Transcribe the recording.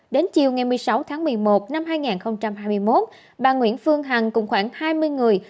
đến chiều ngày một mươi sáu tháng một mươi một năm hai nghìn hai mươi một bà nguyễn phương hằng cùng khoảng hai mươi người